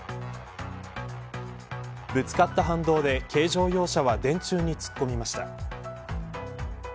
ぶつかった反動で軽乗用車は電柱に突っ込みました。